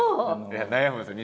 いや悩むんですよ